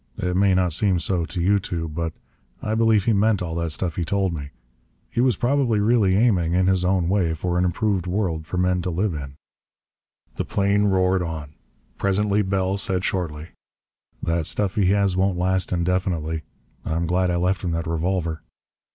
It may not seem so to you two, but I believe he meant all that stuff he told me. He was probably really aiming, in his own way, for an improved world for men to live in." The plane roared on. Presently Bell said shortly: "That stuff he has won't last indefinitely. I'm glad I left him that revolver."